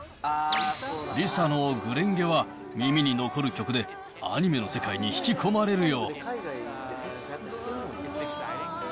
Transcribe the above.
ＬｉＳＡの紅蓮華は耳に残る曲で、アニメの世界に引き込まれるよ。